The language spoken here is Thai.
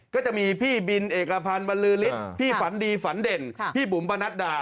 ก็จะมีพี่บินเอกพันธ์บรรลือฤทธิ์พี่ฝันดีฝันเด่นพี่บุ๋มปะนัดดา